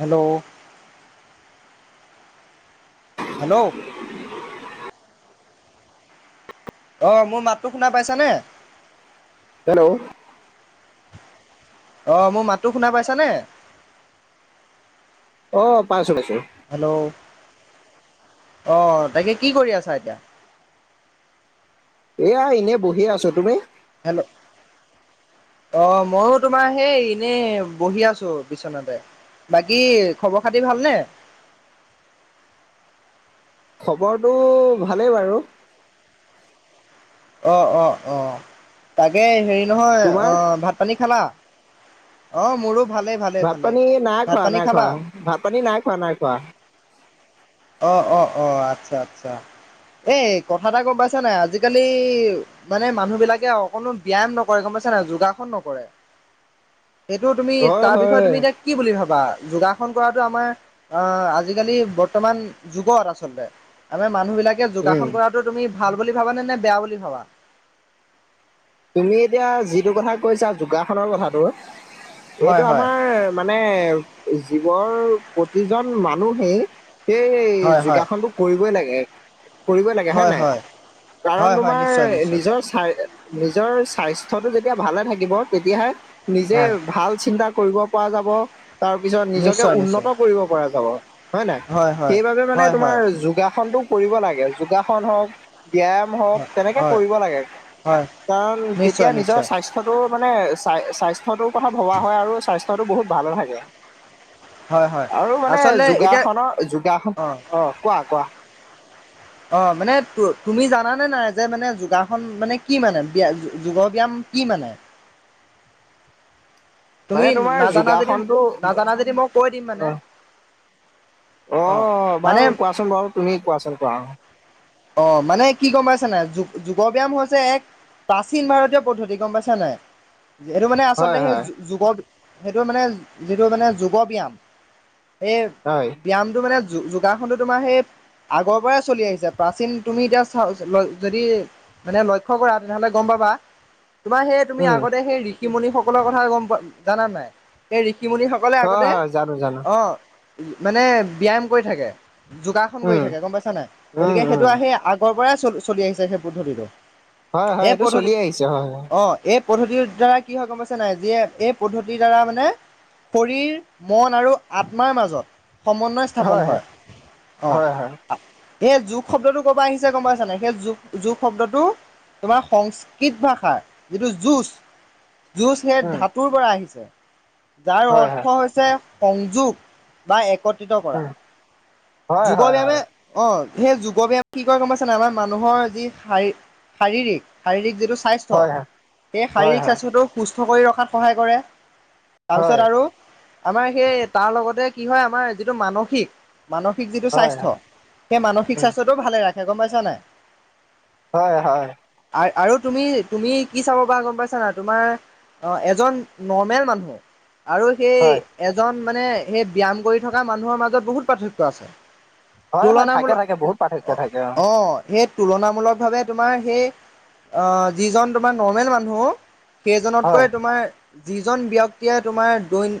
Hello. Hello. [inaudible] অ', মোৰ মাতটো শুনা পাইছানে? হেল্ল'। অ', মোৰ মাতটো শুনা পাইছানে? অ', পাইছোঁ। হেল্ল' অ', তাকে কি কৰি আছা এতিয়া? এয়া এনেই বহি আছোঁ তুমি। হেল্ল'। অ', মইয়ো তোমাৰ সেই এনেই বহি আছোঁ বিচনাতে। বাকী খবৰ খাতি ভালনে? খবৰটো ভালেই বাৰু। অ', অ', অ', তাকে হেৰি নহয় তোমাৰ আহ ভাত পানী খালা? অ', মোৰো ভালেই ভালেই ভাত ভালেই পানী নাই ভাত খোৱা, পানী নাই খোৱা খালা ভাত পানী নাই খোৱা, নাই খোৱা। অ', অ', অ', আচ্ছা, আচ্ছা এই কথা এটা গ'ম পাইছা নাই আজিকালি মানে মানুহ বিলাকে অকনো ব্যায়াম নকৰে গ'ম পাইছা না যোগাসন নকৰে। সেইটো তুমি, হয় তাৰ বিষয়ে হয় তুমি এতিয়া কি বুলি ভাবা, যোগাসন কৰাটো আমাৰ অ', আজিকালি ব ৰ্তমান যুগত আচলতে, আমাৰ মানুহ বিলাকে উম যোগাসন কৰা। টো তুমি ভাল বুলি ভাবা নে, নে বেয়া বুলি ভাবা? তুমি এতিয়া যিটো কথা কৈছা, যোগাসনৰ কথাটো হয় এইটো হয় আমাৰ মানে জীৱৰ প্ৰতিজন মানুহেই সেই হয় হয় যোগাসনটো কৰিবই লাগে। কৰিবই লাগে হয়ে হয় নাই, হয় কাৰণ হয় হয় তোমাৰ নিশ্চয় নিশ্চয় নিজৰ চাই নিজৰ স্বাস্থ্যটো যেতিয়া ভালে থাকিব, তেতিয়াহে হয় নিজেই ভাল চিন্তা কৰিব পৰা যাব, তাৰ পিছত নিজকে নিশ্চয় নিশ্চয় উন্নত কৰিব পৰা যাব, হয় নাই? হয় সেইবাবে মানে হয় হয় তোমাৰ যোগাসনটো কৰিব লাগে, যোগাসন হওঁক, ব্যয়াম হওঁক তেনেকে হয় কৰিব লাগে। হয় কাৰণ তেতিয়া নিশ্চয় নিজৰ নিশ্চয় স্বাস্থ্য স্থ্যটো মানে, স্বা-স্বাস্থ্যটোৰ কথা ভবা হয় আৰু স্বাস্থ্যতটো বহুত ভালে থাকে। হয় হয় আৰু মানে আচলতে এতিয়া যোগাসনৰ যোগাসন অ', কোৱা কোৱা। [unintelligible] অ' মানে তো-তুমি জানানে নাই, যে মানে যোগাসন মানে কি মানে, বিয়া যো-যোগ ব্যায়াম কি মানে? তুমি মানে তোমাৰ নাজানা যদি, যোগাসনটো নাজানা যদি মই কৈ দিম মানে। অ', অ', মানে বাৰু কোৱাচোন বাৰু তুমি কোৱাচোন কোৱা অ'। অ', মানে কি গম পাইচা নাই, যো-যোগ ব্যায়াম হৈছে এক প্ৰাচীন ভাৰতীয় পদ্ধতি গম পাইছা নাই, এইটো মানে আচলতে হয়, সেই হয়, যোগ সেইটো মানে যিটো মানে যোগ ব্যায়াম সেই হয়। ব্যায়ামটো মানে যো-যোগাসনটো তোমাৰ সেই আগৰ পৰাই চলি আহিছে। প্ৰাচীন তুমি এতিয়া চা ল যদি মানে লক্ষ্য কৰা তেনেহ'লে গম পাবা। তোমাৰ সেই তুমি উম, আগতে সেই ঋষিমুণি সকলৰ কথা গম পা জানা নাই সেই ঋষিমুণি সক সকলে হয়, আগতে হয়, জানো, জানো, অ' ম-মানে ব্যয়াম কৰি থাকে, যোগাসন উম, কৰি থাকে গম পাইছা নাই, উম, গতিকে উম, সেইটো সেই আগ আগৰ পৰাই চল-চলিআহিছে সেই পদ্ধতিটো। হয়, হয়, এই এইটো পদ্ধতি চলি আহিছে হয়, হয়। অ', এই পদ্ধতিৰ দ্বাৰা কি হয় গম পাইছে নাই, যিয়ে এই পদ্ধতিৰ দ্বাৰা মানে শৰীৰ মন আৰু আত্মাৰ মাজত সমন্বয় স্থাপন হয়, অ'। হয়, হয়, এই যোগ শব্দটো পৰপা আহিছে গম পাইচা নাই, সেই যো-যোগ শব্দটো তোমাৰ সংস্কৃত ভাষাৰ যিটো যুঁজ যুঁজ সেই উম, ধাতুৰ পৰা আহিছে, যাৰ হয়, অৰ্থ হয়, হৈছে সংযোগ। বা একত্ৰিত কৰা, উম, হয়, যোগ হয়, ব্যায়ামে হয়, অ' সেই যোগব ব্যায়াম কি কয় গ'ম পাইছানাই, আমাৰ মানুহৰ যি শাৰী-শাৰীৰিক শাৰীৰিক যিটো স্বাস্থ্য, হয়, সেই হয়, শাৰীৰিক হয়, স্বাস্থ্যটো সুস্থ কৰি ৰখাত সহায় কৰে। হয়, তাৰপিছত আৰু আমাৰ সেই তাৰ লগতে কি হয়, আমাৰ যিটো মানসিক মানসিক যিটো হয়, স্বাস্থ্য, হয়, সেই মানসিক উম, স্বাস্থ্যটোও ভালে ৰাখে গম পাইছা নাই। হয়, হয়। আৰ-আৰু তুমি, তুমি কি চাব পাৰা গম পাইছা নাই তোমাৰ অ', এজন নৰ্মেল মানুহ আৰু সেই হয়, এজন মানে সেই ব্যায়াম কৰি থকা মানুহৰ মাজত বহুত পাৰ্থক্য আছে। হয়, হয়, থাকে তুলনামূলক থাকে বহুত পাৰ্থক্য থাকে অ, অ, সেই তুলনামূলক ভাৱে তোমাৰ সেই আহ, যিজন তোমাৰ নৰ্মেল মানুহ, হয়, সেইজনতকৈ তোমাৰ যিজন ব্যক্তিয়, তোমাৰ দৈন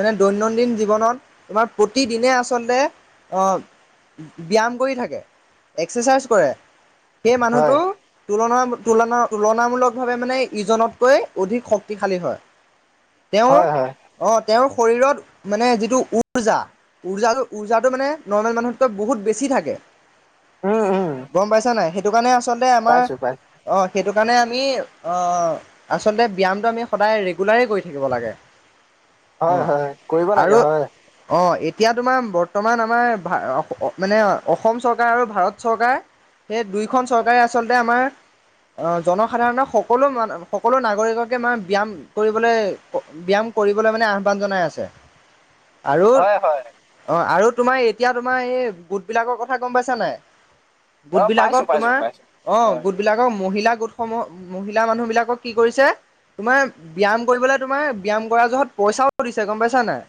মানে দৈনন্দিন জীৱনত, তোমাৰ প্ৰতিদিনে আচলতে আহ ব্যায়াম কৰি থাকে, এক্সাৰচাইজ কৰে, সেই হয়, মানুহটো তুলনা, তুলনা ভাৱে মানে ইজনতকৈ অধিক শক্তিশালী হয়। তেওঁৰ, হয়, হয়, অহ, তেওঁৰ শৰীৰত মানে যিটো উৰ্জা উৰ্জা, উৰ্জাটো মানে নৰ্মেল মানুহতো বহুত বেছি। বেছি থাকে, উম, উম, গম পাইছো নে নাই, সেইটো কাৰণে আমাৰ পাইছো, পাইছো, অ, সেইটো আমি অ, আচলতে ব্যায়ামটো আমি সদায় ৰেগুলাৰ, কৰি থাকিব লাগে। অ, হয়, হয়, কৰিব লাগে আৰু হয়, অ, এতিয়া তোমাৰ বৰ্তমান আমাৰ ভা মানে অসম চৰকাৰ আৰু ভাৰত চৰকাৰ, সেই দুয়োখন চৰকাৰে আচলতে আমাৰ অ, জনসাধাৰণক সকলো মান সকলো, নাগৰিককে মানে ব্যয়াম কৰিবলৈ ব্যায়াম কৰিবলৈ মানে, আহ্বান জনাই আছে। আৰু হয়, হয়, অ, আৰু তোমাৰ এতিয়া তোমাৰ এই গোটবলাকৰ কথা গম পাইছা নাই, অ', পাইছো, গোটবলাকক পাইছো, তোমাৰ পাইছো, অ, হয়, গোট বিলাকক, মহিলা গোটসমূহ মহিলা মানুহ বিলাকক কি কৰিছে? তোমাৰ ব্যায়াম, কৰিবলৈ তোমাৰ ব্যায়াম কৰা জহত, পইচাও দিছে গম পাইছা নাই।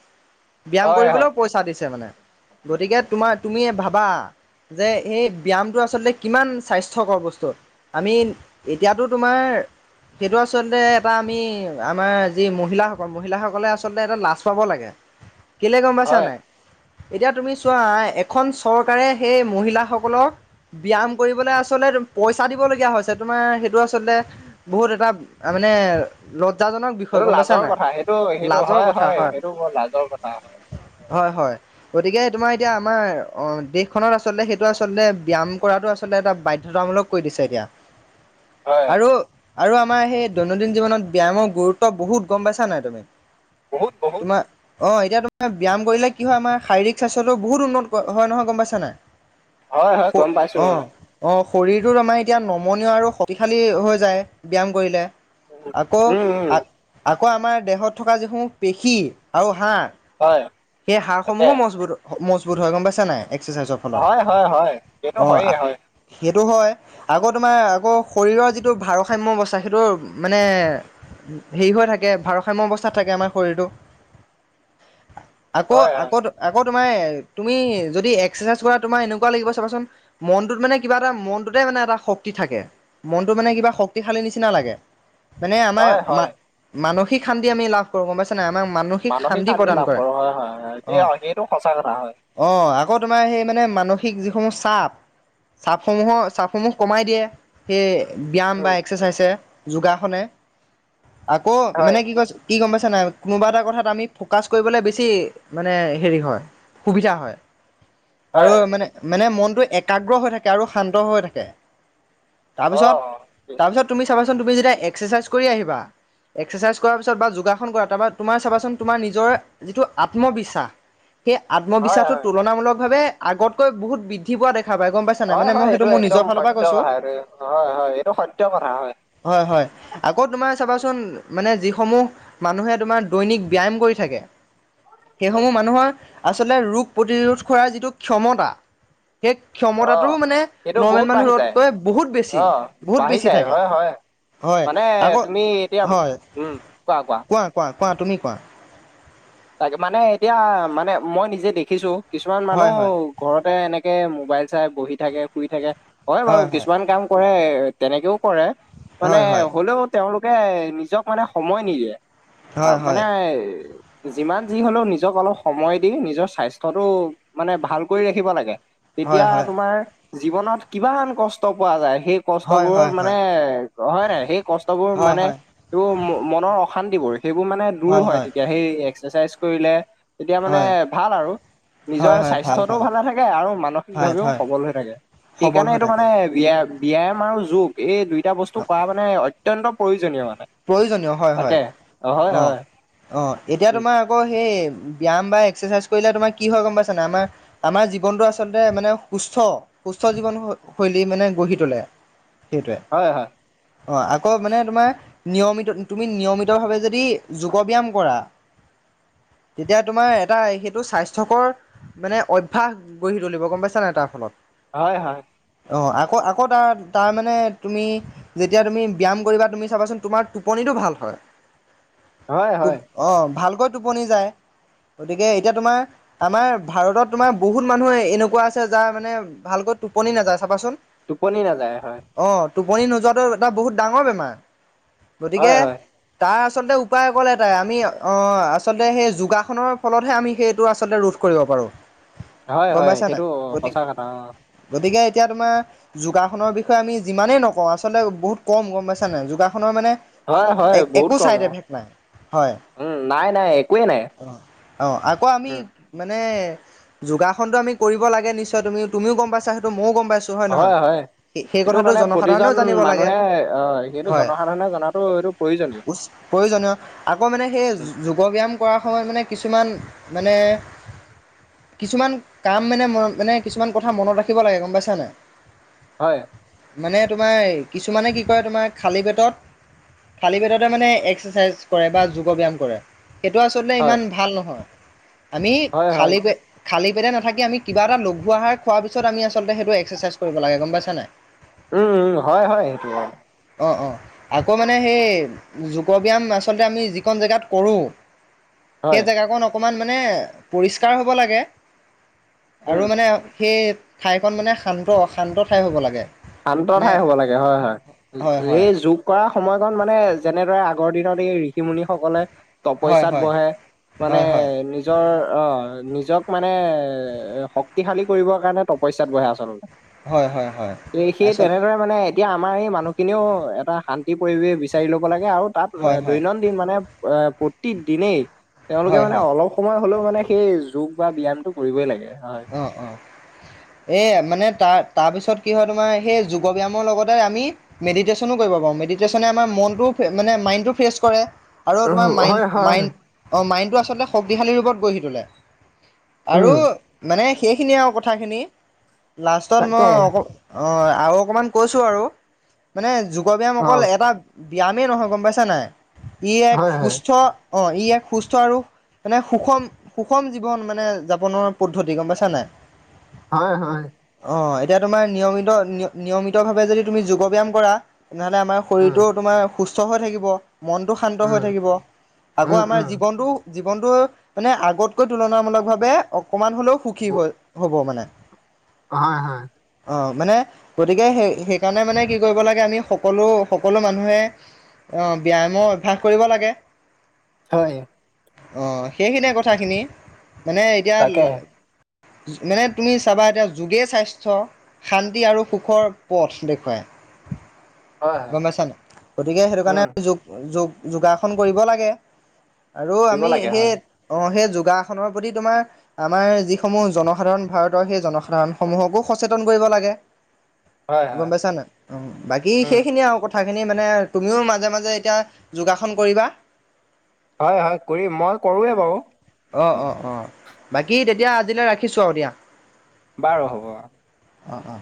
ব্যায়াম হয়, হয়, কৰিবলৈও পইচা দিছে মানে, গতিকে তোমাৰ তুমি ভাবা। যে এই ব্যায়ামটো আচলতে কিমা, স্বাস্থ্যকৰ বস্তু। আমি, এতিয়াতো তোমাৰ সেইটো আচলতে এটা আমি, আমাৰ যি মহিলাসকল মহিলাসকলে আচলতে এটা লাজ পাব লাগে। কেলে গম পাইছা হয়। নাই, এতিয়া তুমি চোৱা এক খন, চৰকাৰে সেই মহিলাসকলক ব্যায়াম কৰিবলৈ আচলতে পইচা দিব লগীয়া হৈছে, তোমাৰ সেইটো আচলতে বহুত এটা মানে, লজ্জাজনক বিষয় সেইটো গম পাইছা লাজৰ নাই কথা, সেইটো সেইটো লাজৰ হয়, কথা হয়, সেইটো বৰ লাজৰ কথা। হয়, হয়, গতিকে তোমাৰ উম, এতিয়া আমাৰ অ, দেশখনত আচলতে সেইটো আচলতে, ব্যায়াম কৰাটো আচলতে এটা বাধ্যতামূলক কৰি দিছে এতিয়া। হয় আৰু আৰু আমাৰ সেই দৈনন্দিন জীৱনত, ব্যায়ামৰ গুৰুত্ব বহুত গম পাইছা নাই তুমি? বহুত বহুত তোমাৰ অ, এতিয়া তোমাৰ ব্যায়াম কৰিলে কি হয় আমাৰ শাৰীৰিক স্বাস্থ্যতটো বহুত উন্নত হয় নহয় গম পাইছা নাই, হয় হয় গম পাইছো অ, অ শৰীৰটো আমাৰ এতিয়া নমনীয় আৰু শক্তিশালী হৈ যায়, ব্যায়াম কৰিলে। উম আকৌ উম উম, আ, আকৌ আমাৰ দেহত থকা যিসমূহ পেশী আৰু হাঁৰ হয় সেই হাৰ তাকে সমূহো মজবুত-মজবুত হয়, গম পাইছা নাই এক্সাৰচাইজত। হয়, হয়, হয়, এইটো হয়ে, হয়। সেইটো হয়। আকৌ তোমাৰ, আকৌ শৰীৰৰ যিটো ভাৰসাম্য বচায়, সেইটো মানে হেৰি হৈ থাকে, ভাৰসাম্য অৱস্থাত থাকে আমাৰ শৰীৰটো। আকৌ, হয় হয় আকৌ, আকৌ, তোমাৰ তুমি যদি এক্সাৰচাইজ কৰা তোমাৰ এনেকুৱা লাগিব চাবাচোন। মনটোত মানে কিবা এটা, মনটোতে মানে এটা শক্তি থাকে। মনটো মানে কিবা, শক্তিশালী নিচিনা লাগে। মানে আমাৰ হয় মা হয় মানসিক শান্তি আমি লাভ গম পাইছা নাই আমাক মানসিক শান্তি প্ৰদান কৰে অ এইটো সঁচা কথা হয় অ আকৌ তোমাৰ সেই মানে মানসিক যিসমূহ চাপ উম চাপসমূহৰ চাপসমূহ কমাই দিয়ে সেই ব্যায়াম বা উম, এক্সচাইজে যোগাসনে আকৌ হয় মানে কি কৈছে কি গম পাইছা নাই কোনোবা কথাত আমি ফ'কাচ কৰিবলৈ বেছি মানে হেৰি হয় সুবিধা হয় আৰু হয় মানে মানে মনটো একাগ্ৰ হৈ থাকে আৰু শান্ত হৈ থাকে অ তাৰপিছত তাৰপিছত তুমি চাবাচোন তুমি যেতিয়া এক্সাৰচাইজ কৰি আহিবা এক্সাৰচাইজ কৰা পিছত বা যোগাসন কৰা তাৰপৰা তোমাৰ চাবাচোন নিজৰ যিটো আত্মবিশ্বাস হয় আত্মবিশ্বাসো হয় তুলনামূলক ভাৱে আগতকৈ বহুত বৃদ্ধি পোৱা দেখা পায় গম পাইছে হয় হয় এইটো একদম সত্য কথা এইটো হয় হয় এইটো সত্য কথা হয় হয় হয় আকৌ তোমাৰ চাবাচোন মানে যিসমূহ মানুহে তোমাৰ দৈনিক ব্যয়াম কৰি থাকে উম, সেইসমূহ মানুহৰ আচলতে ৰোগ প্ৰতিৰোধ কৰাৰ যিটো ক্ষমতা সেই অ ক্ষমতাটোও মানে সেইটো বহুত নৰ্মেল বাঢ়ি যায় মানুহতকৈ বহুত বেছি অ বহুত বাঢ়ি বেছি যায় থাকে হয় হয় হয় মানে আকৌ তুমি এতিয়া হয় কোৱা কোৱা তুমি কোৱা তাকে মানে এতিয়া মানে মই নিজে দেখিছো কিছুমান মানুহ হয় হয় ঘৰতে এনেকে মোবাইল চাই বহি থাকে শুই থাকে হয় বাৰু কিছুমান কাম কৰে তেনেকেও কৰে মানে হয় হ'লেও তেওঁলোকে নিজক মানে সময় নিদিয়ে আ হয় হয় মানে যিমান যি হলেও নিজক অলপ সময় দি নিজৰ স্বাস্থ্যটো মানে ভাল কৰি ৰাখিব লাগে হয় তেতিয়া হয় তোমাৰ জীৱনত কিমান কষ্ট পোৱা যায় সেই হয় কষ্টবোৰ হয় মানে হয় নাই সেই কষ্টবোৰ হয় হয় হয় হয় মানে তোৰ মনৰ অশান্তিবোৰ সেইবোৰ মানে দূৰ হয় তেতিয়া সেই এক্সাৰচাইজ কৰিলে তেতিয়া মানে হয় ভাল আৰু হয় হয় নিজৰ হয় ভাল ভাল স্বাস্থ্যটোও ভালে থাকে আৰু ভাল মানসিকভাৱেও হয় সবল হৈ থাকে সবল সেইকাৰণে হৈ এইটো থাকে মানে ব্যায়া ব্যায়াম আৰু যোগ এই দুইটা বস্তু কৰা মানে অত্যন্ত প্ৰয়োজনীয় মানে প্ৰয়োজনীয় হয় হয় তাকে হয় অ হয় অ এতিয়া উ তোমাৰ আকৌ সেই ব্যায়াম বা এক্সাৰচাইজ কৰিলে তোমাৰ কি হয় গম পাইছা নাই আমাৰ আমাৰ জীৱনটো আচলতে মানে সুস্থ সুস্থ জীৱন শৈলী মানে গঢ়ি তোলে সেইটোৱে হয় হয় অ আকৌ মানে তোমাৰ নিয়মিত, তুমি নিয়মিতভাৱে যদি যোগ ব্যায়াম কৰা। তেতিয়া তোমাৰ এটা সেইটো স্বাস্থ্যকৰ মানে অভ্যাস গঢ়ি তুলিব, গম পাইছা নাই তাৰ ফলত হয়, হয়। অ, আকৌ আকৌ তাৰ তাৰমানে তুমি যেতিয়া, তুমি ব্যায়াম কৰিবা তুমি চাবাচোন তোমাৰ টোপনিটো ভাল হয়। হয়, হয়। অ, ভালকৈ টোপনি যায় গতিকে এতিয়া তোমাৰ আমাৰ ভাৰতত তোমাৰ বহুত মানুহে এনেকুৱা আছে, যাৰ মানে ভালকৈ টোপনি নাযায় চাবাচোন। টোপনি নাযায় হয়। অ, টোপনি নোযোৱাটো এটা বহুত ডাঙৰ বেমাৰ। হয় গতিকে হয় তাৰ আচলতে উপায় অকল এটাই, আমি অ, আচলতে সেই যোগাসনৰ ফলতহে আমি সেইটো আচলতে ৰোধ কৰিব পাৰোঁ। হয়, গম হয় পাইছা নাই সেইটো গতি সঁচা কথা, অ। গতিকে এতিয়া তোমাৰ যোগাসনৰ বিষয়ে আমি যিমানেই নকওঁ, আচলতে বহুত কম গম পাইছানে নাই? যোগাসনৰ মানে হয়, হয়, এক বহুত একো কম চাইড অ, এফেক্ট নাই উম, নাই নাই একোৱেই নাই। অ, অ আকৌ আমি উম মানে যোগাসনটো আমি কৰিব লাগে নিশ্চয় তুমি তুমিও গম পাইছা সেইটো ময়ো গম পাইছোঁ। হয়, হয় সেই এইটো কথাটো মানে প্ৰতিজন জনসাধাৰণেও জানিব লাগে মানুহে অ, হয় কিন্তু জনসাধাৰণে জনাতো এইটো প্ৰয়োজনীয় উচ, প্ৰয়োজনীয় আকৌ মানে উম সেই যোগ ব্যায়াম কৰাৰ সময়ত মানে কিছুমান মানে কিছুমান কাম মানে মন মানে কিছুমান কথা মনত ৰাখিব লাগে গম পাইছানে নাই? হয়। মানে তোমাৰ কিছুমানে কি কৰে তোমাৰ খালী পেটত খালি পেটতে মানে এক্সাৰচাইজ কৰে বা যোগ ব্যায়াম কৰে। সেইটো আচলতে হয় ইমান ভাল নহয়, আমি হয় হয় খালী পে খালী পেটে নাথাকি আমি কিবা এটা লঘু আহাৰ খোৱাৰ পিছত আমি আচলতে সেইটো এক্সাৰচাইজ কৰিব লাগে। গম পাইছানে নাই? [inaudible] উম, উম, হয়, হয়, সেইটো অ। অ, অ। আকৌ মানে সেই যোগ ব্যায়াম আচলতে আমি যিখন জেগাত কৰোঁ হয় সেই জেগাকণ অকমান মানে পৰিষ্কাৰ হ'ব লাগে। উম আৰু মানে সেই ঠাইকণ মানে শান্ত শান্ত ঠাই হ'ব লাগে। শান্ত মানে ঠাই হ'ব লাগে হয়, হয়। হয় হয় এই যোগ কৰা সময়কণ মানে যেনেদৰে আগৰ দিনত, এই ঋষি মুুনি সকলে হয় তপস্যাত হয় বহে, মানে হয় হয় নি নিজৰ অ, নিজক মানে শক্তিশালী কৰিবৰ কাৰণে তপস্যাত বহে আচলতে। হয়, হয়, হয়। এই সেই তাৰপিছত তেনেদৰে মানে, এতিয়া আমাৰ এই মানুহখিনিয়েও এটা শান্তি পৰিৱেশ বিচাৰি ল'ব লাগে, আৰু তাত হয় হয় দৈনন্দিন মানে এ প্ৰতি দিনেই তেওঁলোকে হয় মানে হয় অলপ সময় হ'লেও মানে সেই যোগ বা ব্যয়ামটো কৰিবই লাগে হয়। অ, অ। এ মানে তাৰ তাৰপিছত কি হয় তোমাৰ? সেই যোগ ব্যায়ামৰ লগতে আমি মেডিটেশ্যনো কৰিব পাৰোঁ। মেডিটেশ্যনে আমাৰ মনটো ফ্ৰে মানে মাইণ্ডটোও ফ্ৰেছ কৰে। আৰু তোমাৰ মাইণ্ড, হয় হয় মাইণ্ড অ, মাইণ্ডটো আচলতে শক্তিশালী ৰূপত গঢ়ি তোলে আৰু উম মানে সেইখিনিয়ে আৰু কথাখিনি, লাষ্টত মই তাকে অক অ আৰু অকণমান কৈছো আৰু মানে যোগৰ ব্যায়াম অকল অ' এটা ব্যায়ামেই নহয় গম পাইছা নাই? ই এক হয় হয় সুস্থ অ ই এক সুস্থ আৰু মানে সুষম সুষম জীৱন মানে যাপনৰ পদ্ধতি গম পাইছা নে নাই? হয় হয়। অ এতিয়া তোমাৰ নিয়মিত নিয় নিয়মিতভাৱে যদি তুমি যোগ ব্যায়াম কৰা তেনেহলে আমাৰ উম, শৰীৰটো তোমাৰ সুস্থ হৈ থাকিব। মনটো শান্ত উম, হৈ থাকিব আকৌ উম, আমাৰ উম, জীৱনটো জীৱনটো মানে আগতকৈ তুলনামূলক ভাৱে অকমান হলেও সুখী ব- হল হ'ব মানে হয় হয় অঁ মানে গতিকে সেই সেইকাৰণে মানে কি কৰিব লাগে আমি সকলো সকলো মানুহে অ ব্যায়ামৰ অভ্যাস কৰিব লাগে হয় অ সেইখিনিয়ে কথাখিনি মানে এতিয়া তাকে মানে তুমি চাবা এতিয়া যোগে স্বাস্থ্য শান্তি আৰু সুখৰ পথ দেখুৱাই হয়, হয়, গম পাইছা নাই গতিকে সেইটো কাৰণে উম, যোগ যোগ যোগাসন কৰিব লাগে আৰু কৰিব আমি লাগে সেই হয়, অ সেই যোগাসনৰ প্ৰতি তোমাৰ আমাৰ যিসমূহ জনসাধাৰণ ভাৰতৰ সেই জনসাধাৰণ সমূহকো সচেতন কৰিব লাগে হয়, গম হয়, পাইছা নাই অ বাকী উম, সেইখিনি আৰু কথা কথাখিনি মানে তুমিও মাজে মাজে এতিয়া যোগাসন কৰিবা হয় হয় কৰিম মই কৰোঁৱেই বাৰু অঁ উম, অঁ অঁ বাকী তেতিয়া আজিলৈ ৰাখিছোঁ আৰু দিয়া বাৰু হ'ব অ অ অ